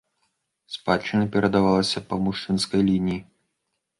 Спадчына перадавалася па мужчынскай лініі.